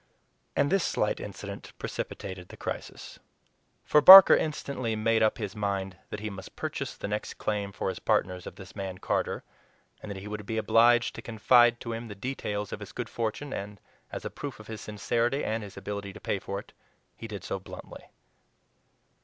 And this slight incident precipitated the crisis. For Barker instantly made up his mind that he must purchase the next claim for his partners of this man Carter, and that he would be obliged to confide to him the details of his good fortune, and as a proof of his sincerity and his ability to pay for it, he did so bluntly.